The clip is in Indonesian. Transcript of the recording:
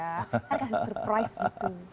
kan kasih surprise gitu